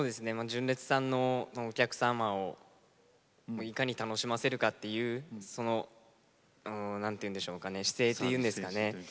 純烈さんのお客様をいかに楽しませるかっていう何て言うんでしょうかね姿勢というんですかね